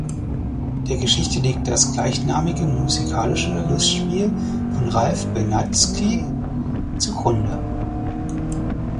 Der Geschichte liegt das gleichnamige musikalische Lustspiel von Ralph Benatzky zugrunde.